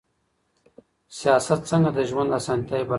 سياست څنګه د ژوند اسانتياوې برابروي؟